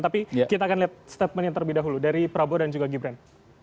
tapi kita akan lihat statementnya terlebih dahulu dari prabowo dan juga gibran